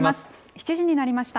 ７時になりました。